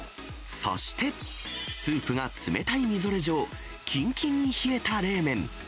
そして、スープが冷たいみぞれ状、きんきんに冷えた冷麺。